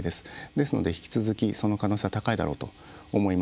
ですので引き続きその可能性は高いだろうと思います。